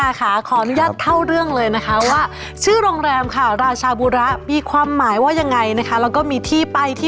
อยากรู้เรื่องราวที่มาที่ไปกับโรงแรมที่มันมีดีไซน์มีอัตลักษณ์สวยงามขนาดนี้นะคะ